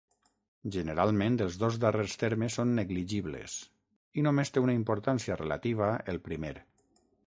Generalment els dos darrers termes són negligibles i només té una importància relativa el primer.